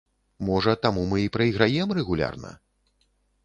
Можа, таму мы і прайграем рэгулярна?